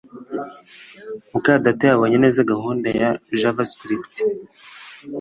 muka data yabonye neza gahunda muri JavaScript